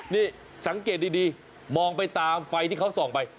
นี่สังเกตดีมองไปตามไฟที่เขาส่องไป